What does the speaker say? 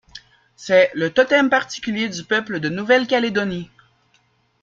C'est le totem particulier du peuple de Nouvelle-Calédonie.